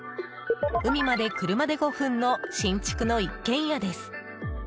海まで車で５分の新築の一軒家です。